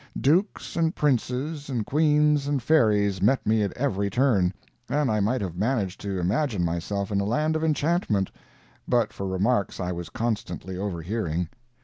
Dukes and princes, and queens and fairies met me at every turn, and I might have managed to imagine myself in a land of enchantment, but for remarks I was constantly overhearing.